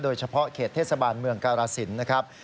โดยเฉพาะเขตเทศบาลเมืองกาลสินนะครับ